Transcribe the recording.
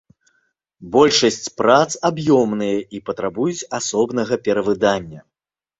Большасць прац аб'ёмныя і патрабуюць асобнага перавыдання.